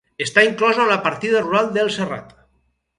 Està inclosa en la partida rural del Serrat.